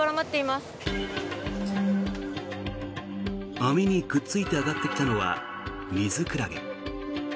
網にくっついて揚がってきたのはミズクラゲ。